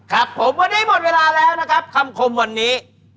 ครับผมวันนี้หมดเวลาแล้วนะครับคำคมวันนี้